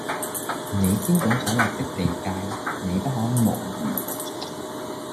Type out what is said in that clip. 你先祖所立的地界，你不可挪移